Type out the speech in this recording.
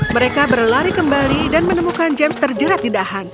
mereka berlari kembali dan menemukan james terjerat di dahang